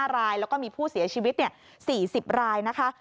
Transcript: ๕รายแล้วก็มีผู้เสียชีวิต๔๐รายนะคะ